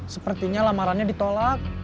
sepertinya lamarannya ditolak